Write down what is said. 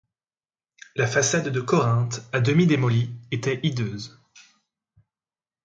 La façade de Corinthe, à demi démolie, était hideuse.